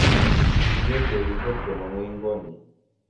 Kinyor chorindet komongu eng konyi